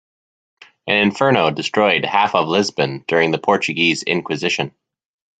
An inferno destroyed half of Lisbon during the Portuguese inquisition.